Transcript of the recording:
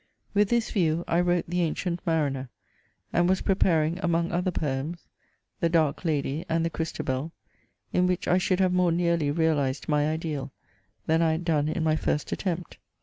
With this view I wrote THE ANCIENT MARINER, and was preparing among other poems, THE DARK LADIE, and the CHRISTABEL, in which I should have more nearly realized my ideal, than I had done in my first attempt.